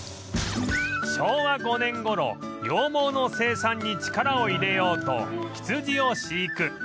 昭和５年頃羊毛の生産に力を入れようと羊を飼育